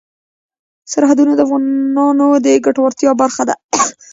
سرحدونه د افغانانو د ګټورتیا برخه ده.